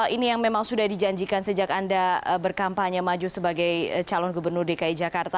ini yang memang sudah dijanjikan sejak anda berkampanye maju sebagai calon gubernur dki jakarta